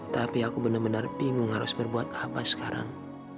tapi aku benar benar bingung harus berbuat apa sekarang